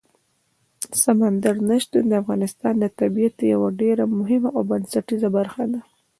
سمندر نه شتون د افغانستان د طبیعت یوه ډېره مهمه او بنسټیزه برخه ده.